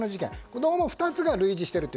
どうも２つが類似していると。